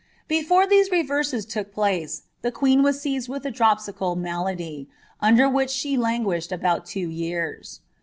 Before these reverses took place, the queen was seized ^ilh a dropsical malady, under which she languished about two years.